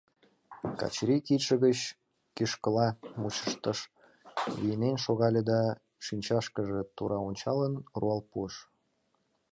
Качырий кидше гыч кишкыла мучыштыш, вийнен шогале да, шинчашкыже тура ончалын, руал пуыш: